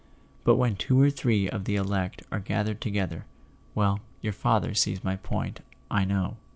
But when two or three of the Elect are gathered together—well, your father sees my point, I know.